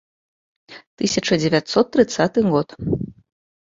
Тысяча дзевяцьсот трыццаты год.